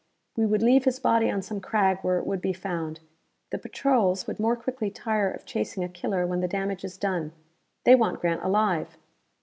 We would leave his body on some crag where it would be found. The patrols would more quickly tire of chasing a killer when the damage is done. They want Grant alive."